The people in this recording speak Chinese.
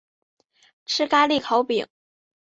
吃咖哩烤饼